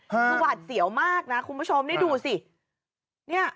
คือหวาดเสียวมากนะคุณผู้ชมนี่ดูสิ